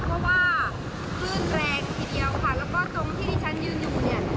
เพราะว่าคลื่นแรงทีเดียวค่ะแล้วก็ตรงที่ที่ฉันยืนอยู่เนี่ย